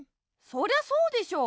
そりゃそうでしょ！